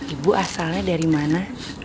ibu asalnya dari mana